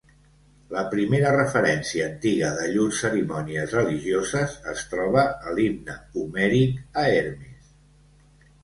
La primera referència antiga de llurs cerimònies religioses es troba a l'himne homèric a Hermes.